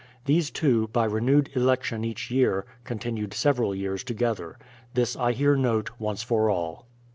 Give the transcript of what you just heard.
These two, by renewed election each year, continued several years together. This I here note, once for all.